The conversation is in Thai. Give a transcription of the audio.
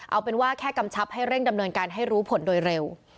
เอาเป็นว่าแค่กำชับให้เร่งดำเนินการให้รู้ผลโดยเร็ว